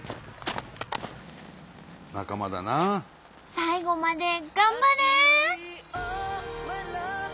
最後まで頑張れ！